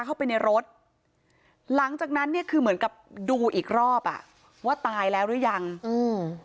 เข้าไปในรถหลังจากนั้นเนี้ยคือเหมือนกับดูอีกรอบอ่ะว่าตายแล้วหรือยังอืม